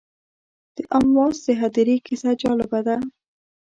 د امواس د هدیرې کیسه جالبه ده.